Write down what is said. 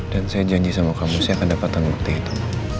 dan saya janji sama kamu saya akan dapet bukti itu